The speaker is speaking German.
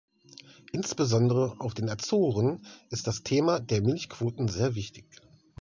Insbesondere auf den Azoren ist das Thema der Milchquoten sehr wichtig.